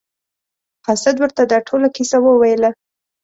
قاصد ورته دا ټوله کیسه وویله.